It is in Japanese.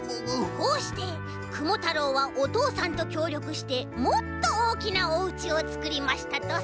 こうしてクモ太郎はおとうさんときょうりょくしてもっとおおきなおうちをつくりましたとさ。